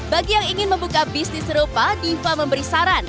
bagi yang ingin membuka bisnis serupa diva memberi saran